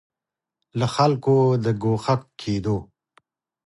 له خلکو د ګوښه کېدو